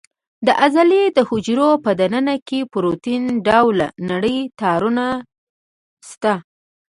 د عضلې د حجرو په دننه کې پروتین ډوله نري تارونه شته.